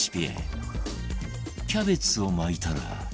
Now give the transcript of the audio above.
キャベツを巻いたら